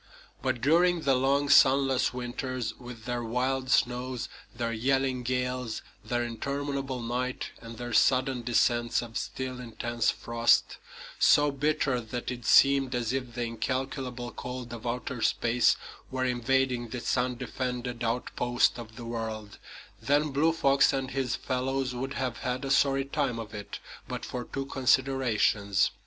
But during the long, sunless winters, with their wild snows, their yelling gales, their interminable night, and their sudden descents of still, intense frost, so bitter that it seemed as if the incalculable cold of outer space were invading this undefended outpost of the world, then Blue Fox and his fellows would have had a sorry time of it but for two considerations.